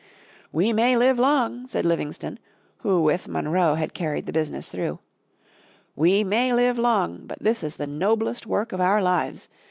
"We may live long," said Livingston, who with Monroe had carried the business through, "we may live long, but this is the noblest work of our lives.